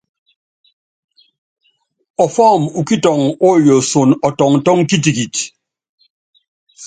Ɔfɔ́ɔm ú kitɔŋ óyooson ɔtɔŋtɔ́ŋ kitikit.